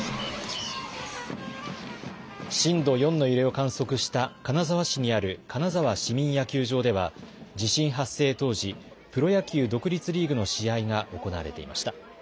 震度４の揺れを観測した、金沢市にある金沢市民野球場では、地震発生当時、プロ野球独立リーグの試合が行われていました。